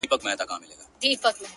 چي په فکر کي دي نه راځي پېښېږي،